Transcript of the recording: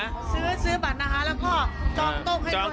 ซื้อซื้อบัตรนะคะแล้วก็จองโต๊ะให้ด้วย